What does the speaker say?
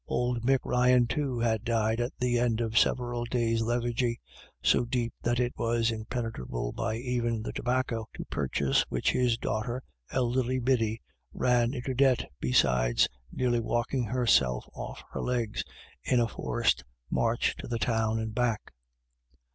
Old Mick Ryan, too, had died at the end of several days' lethargy, so deep that it was impenetrable by even BACKWARDS AND FORWARDS. 247 the tobacco, to purchase which his daughter, elderly Biddy, ran into debt, besides nearly walking herself off her legs in a forced march to the Town and back.